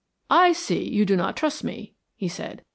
"I see, you do not trust me," he said.